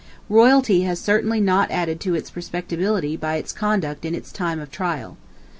Royalty has certainly not added to its respectability by its conduct in its time of trial.